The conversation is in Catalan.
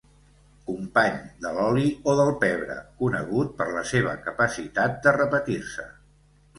Company de l'oli o del pebre, conegut per la seva capacitat de repetir-se.